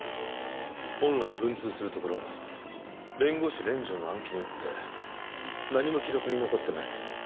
本来文通するところを弁護士連城の暗記によって何も記録に残ってない。